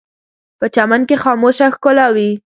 په چمن کې خاموشه ښکلا وي